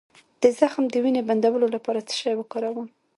د زخم د وینې بندولو لپاره څه شی وکاروم؟